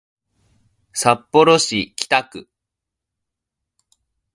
札幌市北区